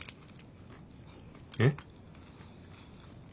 えっ？